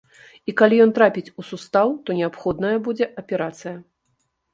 І калі ён трапіць у сустаў, то неабходная будзе аперацыя.